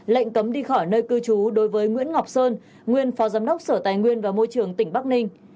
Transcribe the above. lệnh cấm đi khỏi nơi cư trú đối với nguyễn ngọc sơn nguyên phó giám đốc sở tài nguyên và môi trường tỉnh bắc ninh